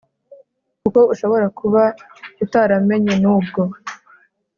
kuko ushobora kuba utaramenya nubwo